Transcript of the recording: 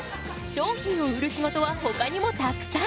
商品を売る仕事はほかにもたくさん！